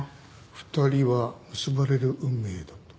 「二人は結ばれる運命だった」。